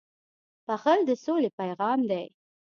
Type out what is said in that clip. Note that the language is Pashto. • بښل د سولې پیغام دی.